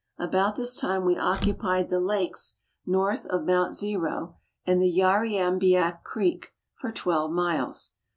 About this time we occupied the lakes north of Mount Zero and the Yarriambiack Creek, for twelve miles.